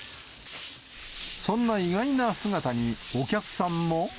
そんな意外な姿に、お客さんも。